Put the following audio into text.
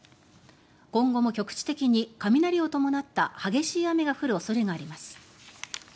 今後も局地的に雷を伴った激しい雨が降る恐れがあります。